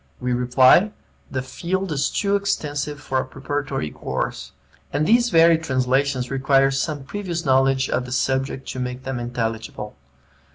We reply, the field is too extensive for a preparatory course; and these very translations require some previous knowledge of the subject to make them intelligible.